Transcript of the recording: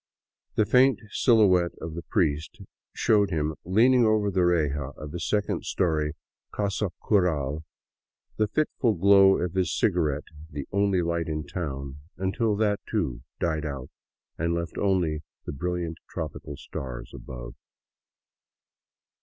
The faint silhouette of the priest showed him leaning over the reja of his second story casa curd, the fitful glow of his ciga rette the only light in town, until that, too, died out and left only the brilliant tropical stars above.